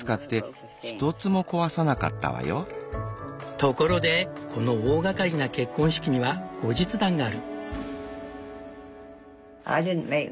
ところでこの大がかりな結婚式には後日談がある。